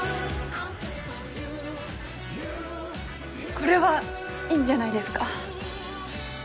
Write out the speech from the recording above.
これはいいんじゃないですか？